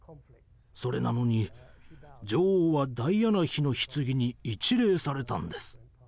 それなのに女王はダイアナ妃のひつぎに一礼されたんです。